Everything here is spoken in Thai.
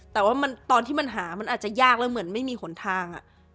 แต่ว่าตอนที่มันหามันอาจจะยากแล้วเหมือนไม่มีหนทาง